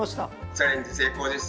チャレンジ成功です。